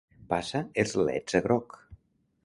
Passa els leds a groc.